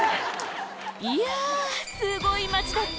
いやすごい街だった！